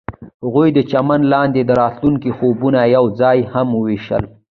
هغوی د چمن لاندې د راتلونکي خوبونه یوځای هم وویشل.